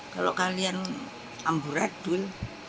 kalau kalian amburat dul